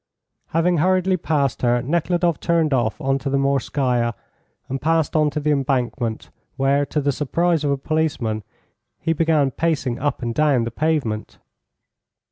Having hurriedly passed her, Nekhludoff turned off on to the Morskaya, and passed on to the embankment, where, to the surprise of a policeman, he began pacing up and down the pavement.